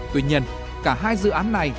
tuy nhiên cả hai dự án này